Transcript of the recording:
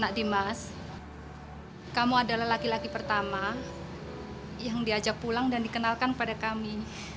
pak dimas kamu adalah laki laki pertama yang diajak pulang dan dikenalkan pada kami